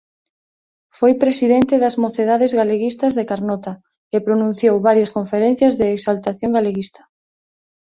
Foi presidente das Mocedades Galeguistas de Carnota e pronunciou varias conferencias de exaltación galeguista.